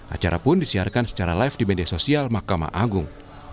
acara pun disiarkan secara live di media sosial mahkamah agung